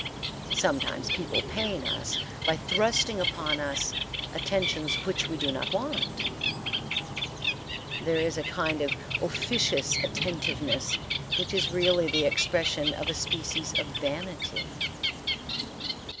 Sometimes people pain us by thrusting upon us attentions which we do not want. There is a kind of officious attentiveness which is really the expression of a species of vanity.